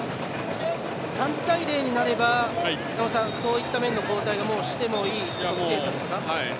３対０になればそういった面の交代をしてもいい点差ですか？